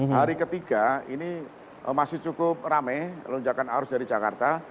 hari ketiga ini masih cukup rame lonjakan arus dari jakarta